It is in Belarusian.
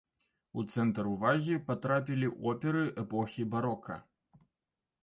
У цэнтр увагі патрапілі оперы эпохі барока.